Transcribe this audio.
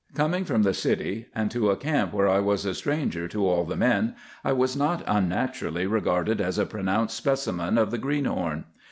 Coming from the city, and to a camp where I was a stranger to all the men, I was not unnaturally regarded as a pronounced specimen of the greenhorn.